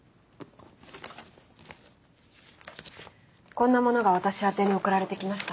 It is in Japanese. こんなものが私宛てに送られてきました。